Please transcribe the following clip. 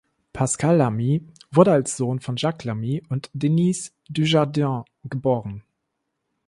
Pascal Lamy wurde als Sohn von Jacques Lamy und Denise Dujardin geboren.